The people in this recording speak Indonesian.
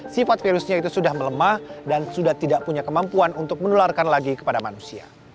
sifat virusnya itu sudah melemah dan sudah tidak punya kemampuan untuk menularkan lagi kepada manusia